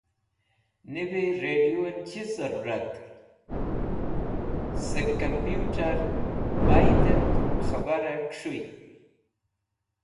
Nivi radũ chiz zẽrũrat? sẽk komputer̃ baydẽt khẽbar kẽs̃hũy.